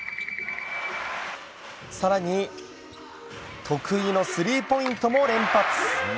更に得意のスリーポイントも連発。